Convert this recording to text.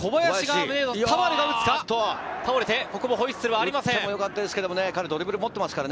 田原が打つか、倒れて、ここもホイッスルはありません。